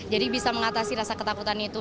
jadi bisa mengatasi rasa ketakutan itu